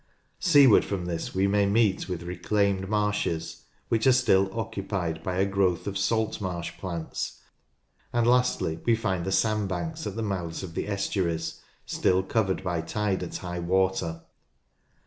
Seaward from this we may meet with reclaimed marshes, which are still occupied by a growth of salt marsh plants, and lastly we find the sand banks at the mouths of the estuaries still covered by tide at high water.